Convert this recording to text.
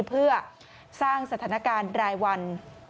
เพื่อสร้างสถานการณ์รายวัน